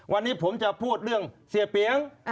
วันนี้ผมจะพูดเรื่องเสียเปียง